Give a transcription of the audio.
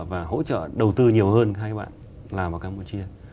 và hỗ trợ đầu tư nhiều hơn hai bạn lào và campuchia